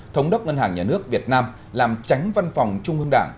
thống đốc ngân hàng nhà nước việt nam làm tránh văn phòng trung ương đảng